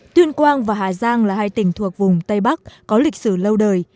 tuyên quang và hà giang là hai tỉnh thuộc vùng tây bắc có lịch sử lâu đời